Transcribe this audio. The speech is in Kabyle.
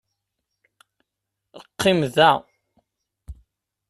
Qqim da.